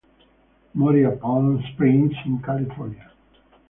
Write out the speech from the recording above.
Morì a Palm Springs, in California.